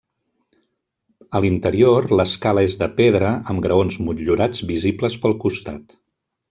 A l'interior, l'escala és de pedra amb graons motllurats visibles pel costat.